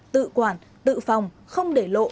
tự quản tự phòng không để lộ